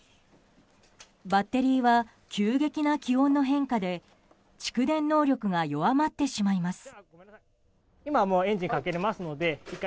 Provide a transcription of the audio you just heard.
バッテリーは急激な気温の変化で蓄電能力が弱まってしまいます。